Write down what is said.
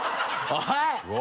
おい！